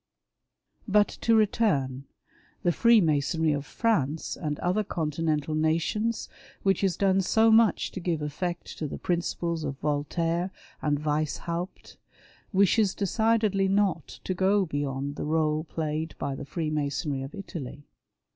But to return. The Freemasonry of France and other Continental nations, which has done so much to give effect to the principles of Voltaire and Weishaupt, wishes decidedly not to go beyond the role played by the Freemasonry of Italy.